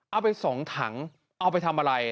เอาไป๒ถังเอาไปทำอะไร